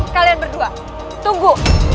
kalian berdua tunggu